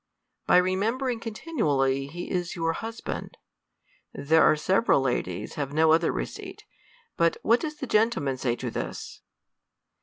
By remembering continually he is your huSi band : there are several ladies have no other receipt* But what does the gentleman say to Uiis